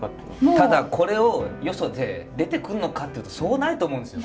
ただこれをよそで出てくんのかっていうとそうないと思うんですよ。